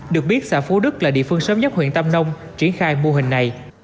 được biết xã phú đức là địa phương sớm nhất huyện tam nông triển khai mô hình này